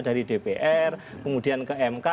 dari dpr kemudian ke mk